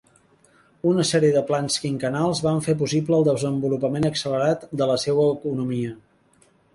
Una sèrie de plans quinquennals van fer possible el desenvolupament accelerat de la seua economia.